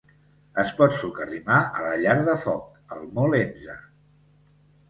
Es pot socarrimar a la llar de foc, el molt enze.